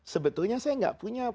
sebetulnya saya gak punya